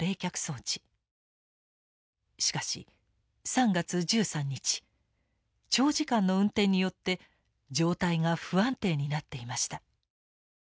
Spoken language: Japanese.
しかし３月１３日長時間の運転によって状態が不安定になっていました。